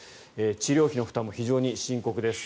治療費の負担も非常に深刻です。